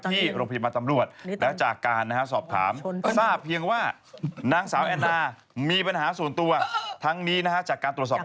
ที่โรงพยาบาลปริมาณธรรมโลกไว้นะครับ